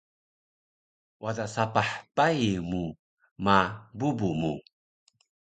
wada sapah pai mu ma bubu mu